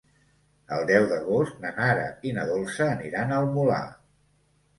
El deu d'agost na Nara i na Dolça aniran al Molar.